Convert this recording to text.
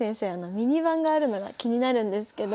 ミニ盤があるのが気になるんですけど。